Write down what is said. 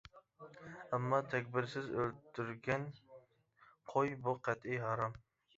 ئەمما تەكبىرسىز ئۆلتۈرگەن قوي بۇ قەتئىي ھارام.